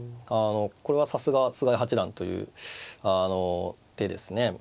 これはさすが菅井八段という手ですね。